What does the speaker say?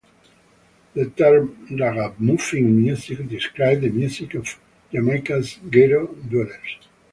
The term "raggamuffin music" describes the music of Jamaica's "ghetto dwellers".